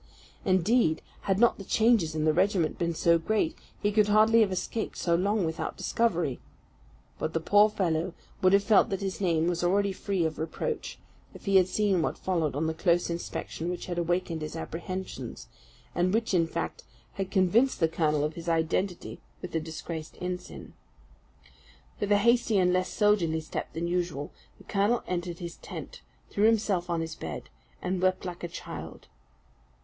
Indeed, had not the changes in the regiment been so great, he could hardly have escaped so long without discovery. But the poor fellow would have felt that his name was already free of reproach, if he had seen what followed on the close inspection which had awakened his apprehensions, and which, in fact, had convinced the colonel of his identity with the disgraced ensign. With a hasty and less soldierly step than usual the colonel entered his tent, threw himself on his bed and wept like a child.